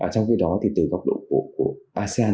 trong khi đó thì từ góc độ của asean